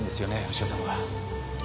牛尾さんは。